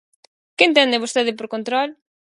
¿Que entende vostede por control?